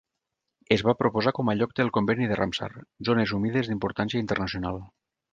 Es va proposar com a "lloc del Conveni de Ramsar - Zones humides d'importància internacional".